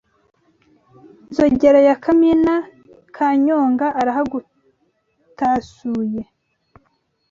Nzogera ya Kamina ka Nyonga arahagutasuye